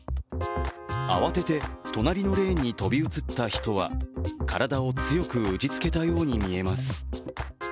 慌てて隣のレーンに飛び移った人は体を強く打ちつけたように見えます。